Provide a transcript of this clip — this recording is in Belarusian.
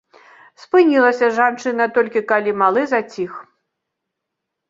Спынілася жанчына толькі калі малы заціх.